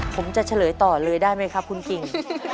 ผมจะเฉลยต่อเลยได้ไหมครับคุณกิ่ง